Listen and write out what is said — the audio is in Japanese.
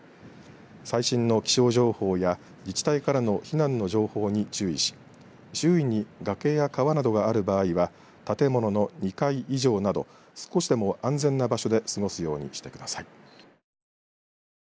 最新の気象情報や自治体からの避難の情報に注意し周囲にがけや川などがある場合は建物の２階以上など少しでも安全な場所で過ごすようにしてください。